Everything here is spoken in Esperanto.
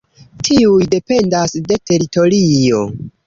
Tiuj dependas de teritorio.